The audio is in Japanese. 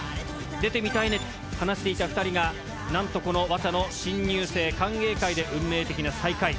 出てみたいねと話していた２人がなんとこのＷＡＳＡの新入生歓迎会で運命的な再会。